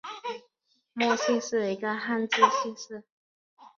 莫姓是一个汉字姓氏。